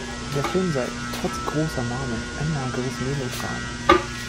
Der Film sei „trotz großer Namen ein mageres Melodram“.